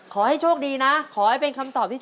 ครับ